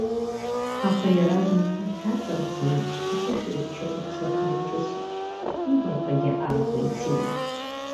Аха иаразнак урҭ аҵарӡны, аԥышәырчча гәыбзыӷ неиҿысит, иблақәагьы аакәеицеит.